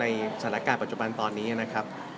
สถานการณ์ปัจจุบันตอนนี้นะครับ